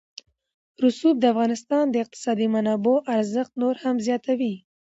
رسوب د افغانستان د اقتصادي منابعو ارزښت نور هم زیاتوي.